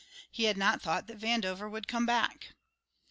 He had not thought that Vandover would come back.